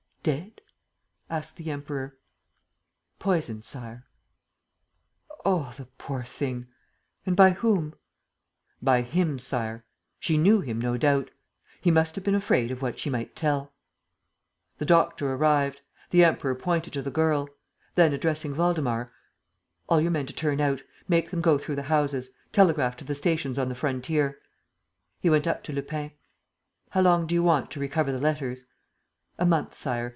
"Dead?" asked the Emperor. "Poisoned, Sire." "Oh, the poor thing! ... And by whom?" "By 'him,' Sire. She knew him, no doubt. He must have been afraid of what she might tell." The doctor arrived. The Emperor pointed to the girl. Then, addressing Waldemar: "All your men to turn out ... Make them go through the houses ... telegraph to the stations on the frontier. ..." He went up to Lupin: "How long do you want to recover the letters?" "A month, Sire